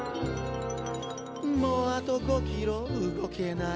「もうあと５キロ動けない」